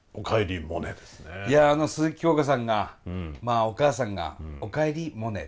あの鈴木京香さんがまあお母さんが「おかえりモネ」。